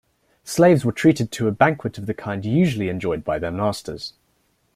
Slaves were treated to a banquet of the kind usually enjoyed by their masters.